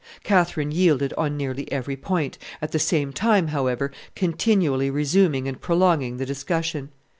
Catherine yielded on nearly every point, at the same time, however, continually resuming and prolonging the discussion.